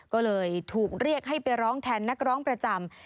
ก็เลยถูกเรียกให้ไปร้องแทนนักร้องประจำ